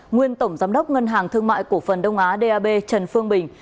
nguyên tổng giám đốc ngân hàng thương mại cổ phần đông á dab trần phương bình